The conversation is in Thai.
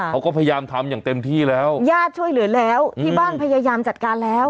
เขาก็พยายามทำอย่างเต็มที่แล้วญาติช่วยเหลือแล้วที่บ้านพยายามจัดการแล้ว